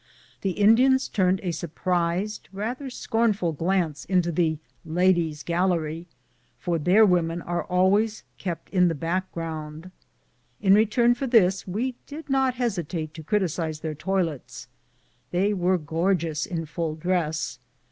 The Indians turned a surprised, rather CAPTURE AND ESCAPE OF RAIN IN TnE FACE. 211 scornful glance into the "ladies' gallery," for their women are always kept in the background. In return for this we did not hesitate to criticise their toilets. They were gorgeous in full dress.